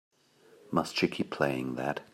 Must she keep playing that?